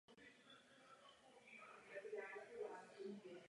V tomto ročníku se naposledy předávala cena osobnosti televizních soutěžních pořadů.